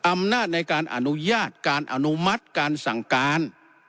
อำนาจในการอนุญาตการอนุมัติการสั่งการ